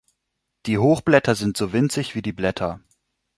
Die Hochblätter sind so winzig wie die Blätter.